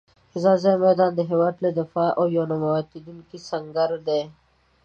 ځاځي میدان د هېواد له دفاع یو نه ماتېدونکی سنګر دی.